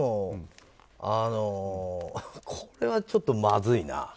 これはちょっとまずいな。